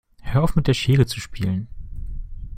Hör auf mit der Schere zu spielen.